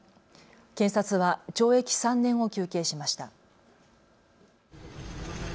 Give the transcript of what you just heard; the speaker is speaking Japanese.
検察は懲役３年を求刑しました。